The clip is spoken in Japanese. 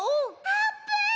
あーぷん！